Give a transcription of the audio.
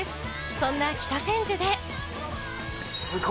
そんな北千住で。